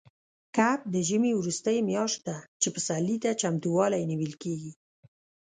کب د ژمي وروستۍ میاشت ده، چې پسرلي ته چمتووالی نیول کېږي.